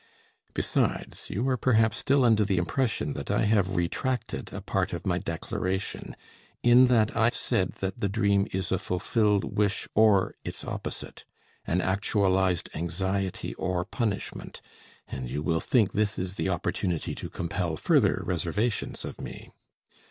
Besides, you are perhaps still under the impression that I have retracted a part of my declaration, in that I said that the dream is a fulfilled wish or its opposite, an actualized anxiety or punishment, and you will think this is the opportunity to compel further reservations of me.